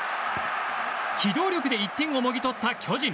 機動力で１点をもぎ取った巨人。